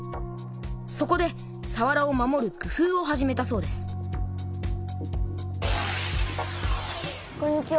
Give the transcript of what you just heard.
そこでさわらを守るくふうを始めたそうですこんにちは。